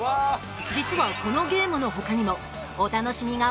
実はこのゲームの他にもお楽しみが盛りだくさん！